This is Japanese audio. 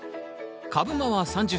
株間は３０ｃｍ。